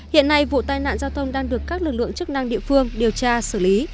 hiện nay vụ tai nạn giao thông đang được các lực lượng chức năng địa phương điều tra xử lý